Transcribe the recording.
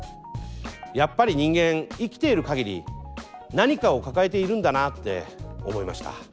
やっぱり人間生きている限り何かを抱えているんだなって思いました。